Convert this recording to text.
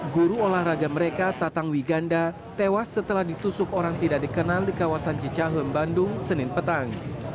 guru olahraga mereka tatang wiganda tewas setelah ditusuk orang tidak dikenal di kawasan cicahem bandung senin petang